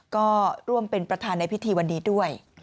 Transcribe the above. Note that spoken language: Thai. ก็ร่วมเป็นประธานในพิธีวันนี้ด้วย